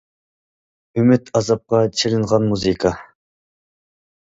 ئۈمىد- ئازابقا چېلىنغان مۇزىكا.